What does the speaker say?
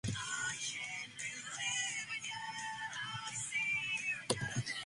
The two flight attendants aboard were Linda Lord and Judith Durkin.